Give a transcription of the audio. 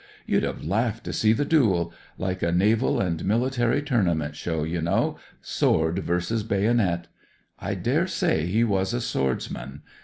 You'd have laughed to see the duel ; like a Naval and Military Tournament show, you know — sword versus bayonet. I daresay he was a swordsman.